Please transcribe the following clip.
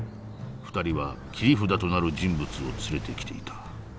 ２人は切り札となる人物を連れてきていた。